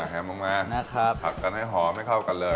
แฮมลงมาผัดกันให้หอมให้เข้ากันเลย